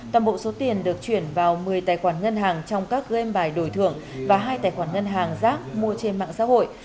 toàn bộ số tiền được chuyển vào một mươi tài khoản ngân hàng trong các game bài đổi thưởng và hai tài khoản ngân hàng rác mua trên mạng xã hội